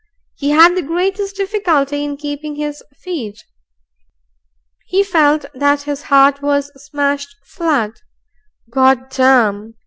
He had the greatest difficulty in keeping his feet. He felt that his heart was smashed flat. "Gord darm!"